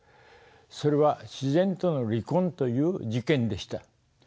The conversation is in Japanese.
それは自然との離婚という事件でした。